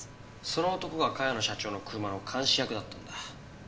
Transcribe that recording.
その男が茅野社長の車の監視役だったんだ。